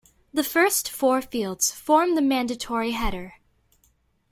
The first four fields form the mandatory header.